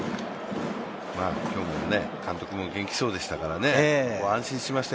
今日も監督も元気そうでしたから安心しました。